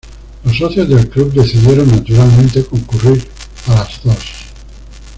Los socios del Club decidieron, naturalmente, concurrir a las dos.